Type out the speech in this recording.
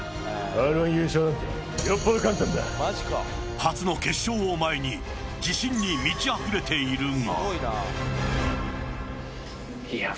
初の決勝を前に自信に満ちあふれているが。